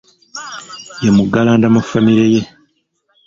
Ye muggalanda mu famire ye